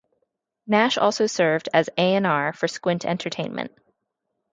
Nash also served as A and R for Squint Entertainment.